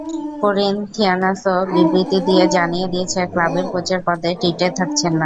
করিন্থিয়ানসও বিবৃতি দিয়ে জানিয়ে দিয়েছে, ক্লাবের কোচের পদে টিটে থাকছেন না।